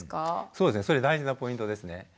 そうですねそれ大事なポイントですね。